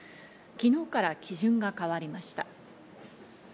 昨日から基準が変わりました。